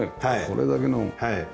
これだけの。